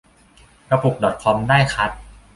กระปุกดอทคอมได้คัด